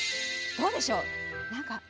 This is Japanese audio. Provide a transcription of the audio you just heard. どうでしょう。